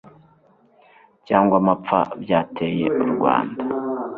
cyangwa amapfa byateye u Rwanda,